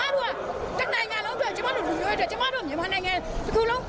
ส่วนการรวมตัวกันชุมนุมตัว